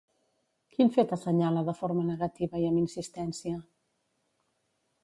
Quin fet assenyala de forma negativa i amb insistència?